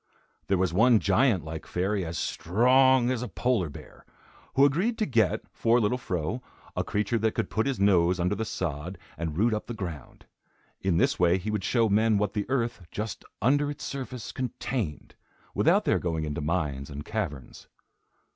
There was one giant like fairy as strong as a polar bear, who agreed to get, for little Fro, a creature that could put his nose under the sod and root up the ground. In this way he would show men what the earth, just under its surface, contained, without their going into mines and caverns.